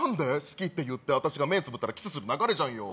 「好き」って言って私が目つぶったらキスする流れじゃんよ